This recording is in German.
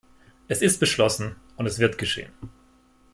Es ist beschlossen, und es wird geschehen.